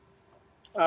sangat luar biasa